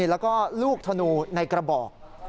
แล้วก็ลูกธนูในกระบอก